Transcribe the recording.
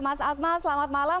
mas akmal selamat malam